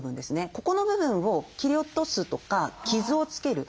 ここの部分を切り落とすとか傷をつける。